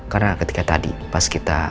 karena ketika tadi pas kita